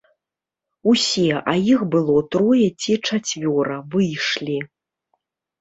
Усе, а іх было трое ці чацвёра, выйшлі.